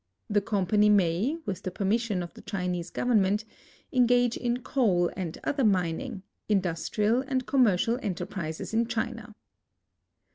The company may, with the permission of the Chinese government, engage in coal and other mining, industrial, and commercial enterprises in China.